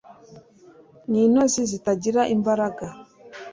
ni intozi zitagira imbaraga